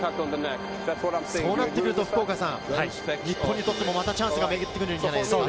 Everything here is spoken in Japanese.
そうなってくると日本にとってもチャンスが巡ってくるんじゃないですか？